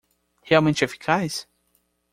Realmente eficaz?